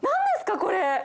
これ。